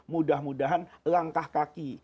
mudah mudahan langkah kaki